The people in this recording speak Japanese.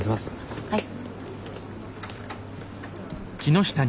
はい。